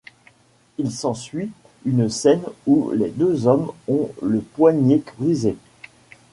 Il s'ensuit une scène où les deux hommes ont le poignet brisé.